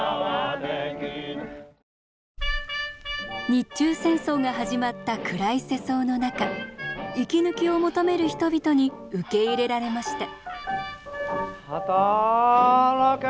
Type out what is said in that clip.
日中戦争が始まった暗い世相の中息抜きを求める人々に受け入れられました。